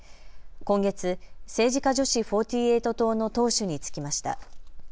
今月、政治家女子４８党の党首に就きました。